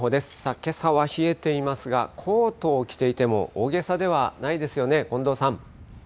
けさは冷えていますが、コートを着ていても、大げさではないですよね、近藤さん。